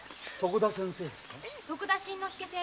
徳田新之助先生です。